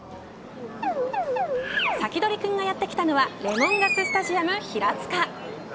サキドリくんがやってきたのはレモンガス・スタジアム平塚。